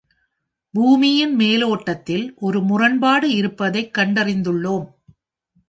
பூமியின் மேலோட்டத்தில் ஒரு முரண்பாடு இருப்பதைக் கண்டறிந்துள்ளோம்.